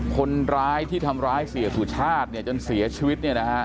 คนร้ายที่ทำร้ายเศรษฐศุชาติจนเสียชีวิต